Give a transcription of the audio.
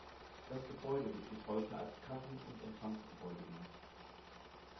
Das Gebäude wird bis heute als Kassen- und Empfangsgebäude genutzt.